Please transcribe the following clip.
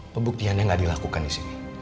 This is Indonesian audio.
pembuktiannya tidak dilakukan di sini